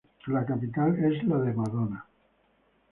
La capital es la de Madona.